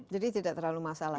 jadi tidak terlalu masalah